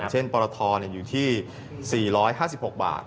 หัวดูเช่นจาก